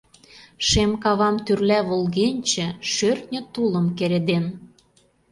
Шем кавам тӱрла волгенче, Шӧртньӧ тулым кереден.